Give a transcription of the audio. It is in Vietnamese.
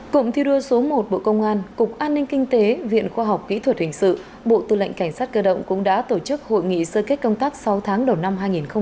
cụm thi đua số một bộ công an cục an ninh kinh tế viện khoa học kỹ thuật hình sự bộ tư lệnh cảnh sát cơ động cũng đã tổ chức hội nghị sơ kết công tác sáu tháng đầu năm hai nghìn hai mươi ba